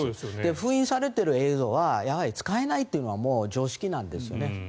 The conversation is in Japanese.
封印されている映像は使えないというのはもう常識なんですよね。